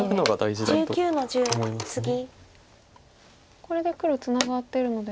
これで黒ツナがってるので。